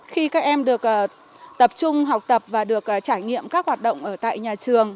khi các em được tập trung học tập và được trải nghiệm các hoạt động ở tại nhà trường